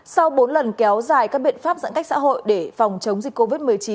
sau bốn lần kéo dài các biện pháp giãn cách xã hội để phòng chống dịch covid một mươi chín